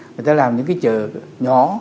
người ta làm những cái chợ nhỏ